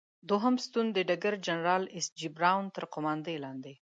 دوهم ستون د ډګر جنرال ایس جې براون تر قوماندې لاندې.